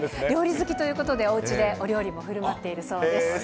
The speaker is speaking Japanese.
料理好きということで、おうちでお料理もふるまっているそうです。